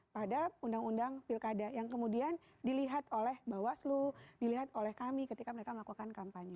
pada undang undang pilkada yang kemudian dilihat oleh bawaslu dilihat oleh kami ketika mereka melakukan kampanye